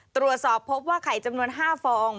ตรวจสอบพบว่าไข่จำนวน๕ฟอง